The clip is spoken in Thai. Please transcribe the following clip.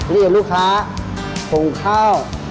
เรียกลูกค้าส่งข้าว